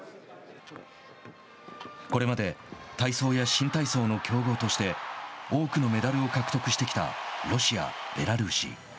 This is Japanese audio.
これまで体操や新体操の強豪として多くのメダルを獲得してきたロシア、ベラルーシ。